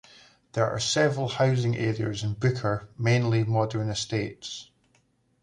There are several housing areas in Booker, mainly modern estates.